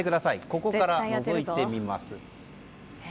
ここからのぞいてみます。